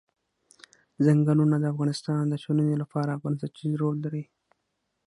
ځنګلونه د افغانستان د ټولنې لپاره بنسټيز رول لري.